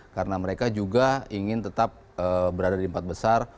karena mereka juga ingin tetap berada di empat besar